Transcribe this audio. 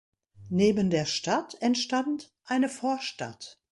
Neben der Stadt entstand eine Vorstadt.